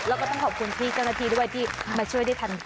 แล้วก็ต้องขอบคุณพี่เจ้าหน้าที่ด้วยที่มาช่วยได้ทันค